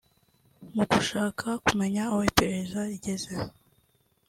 Mu gushaka kumenya aho iperereza rigeze